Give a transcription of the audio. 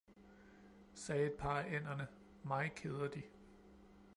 sagde et par af ænderne, mig keder de.